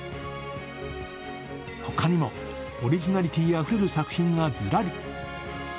他にもオリジナリティーあふれる作品がずらり。